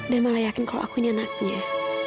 dan malah yakin kalau aku ini anaknya